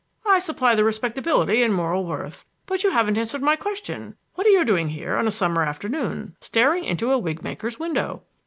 I supply the respectability and moral worth. But you haven't answered my question. What are you doing here on a summer afternoon staring into a wig maker's window?"